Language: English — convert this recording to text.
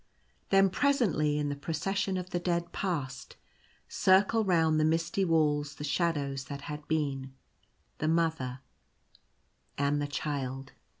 Then presently in the Procession of the Dead Past circle round the misty walls the shadows that had been — the Mother and the Child.